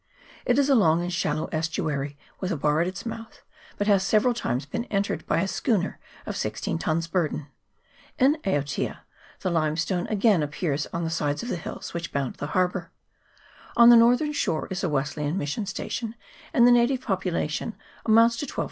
It is a long and shallow estuary, with a bar at its mouth, but has several times been entered by a schooner of sixteen tons burden. In Aotea the limestone again appears on the sides of the hills which bound the harbour. On the northern shore is a Wesleyan mission station, and the native population amounts to 1200.